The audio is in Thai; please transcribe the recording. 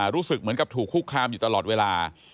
รู้สึกเหมือนกับถูกคุกคามอยู่ตลอดเวลา